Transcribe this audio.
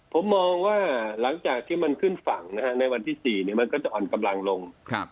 ผมมองว่าหลังจากที่มันขึ้นฝั่งในวันที่๔มันก็จะอ่อนกำลังลง